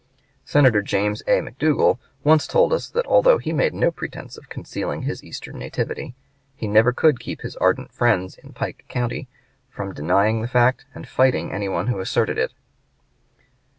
Senator James A. McDougall once told us that although he made no pretense of concealing his Eastern nativity, he never could keep his ardent friends in Pike County from denying the fact and fighting any one who asserted it.